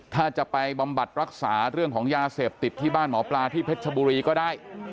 ถ้าจะไปบำบัดรักษาเรื่องของยาเสพติดที่บ้านหมอปลาที่เพชรชบุรีก็ได้